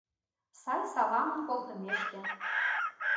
Сай саламым колтымешке